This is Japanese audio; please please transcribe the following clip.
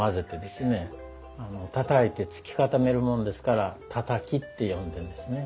たたいてつき固めるもんですから三和土って呼んでんですね。